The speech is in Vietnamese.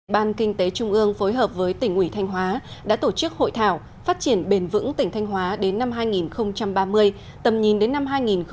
ban kinh tế trung ương phối hợp với tỉnh ủy thanh hóa đã tổ chức hội thảo phát triển bền vững tỉnh thanh hóa đến năm hai nghìn ba mươi tầm nhìn đến năm hai nghìn bốn mươi năm